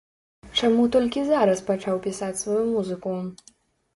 Чаму толькі зараз пачаў пісаць сваю музыку?